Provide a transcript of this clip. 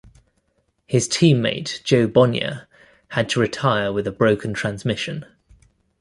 His teammate Jo Bonnier had to retire with a broken transmission.